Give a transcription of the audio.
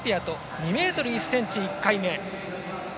２ｍ１ｃｍ、１回目。